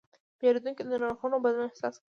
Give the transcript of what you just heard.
پیرودونکی د نرخونو بدلون احساس کړ.